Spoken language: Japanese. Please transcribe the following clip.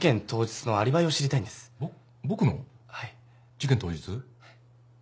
事件当日？